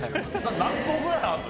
何個ぐらいあるの？